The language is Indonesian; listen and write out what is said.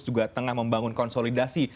juga tengah membangun konsolidasi